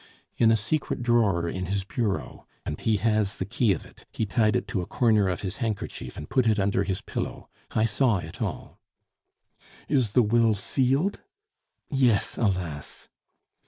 "In a secret drawer in his bureau, and he has the key of it. He tied it to a corner of his handkerchief, and put it under his pillow. I saw it all." "Is the will sealed?" "Yes, alas!"